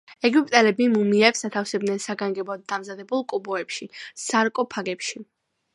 ეგვიპტელები მუმიებს ათავსებდნენ საგანგებოდ დამზადებულ კუბოებში - სარკოფაგებში.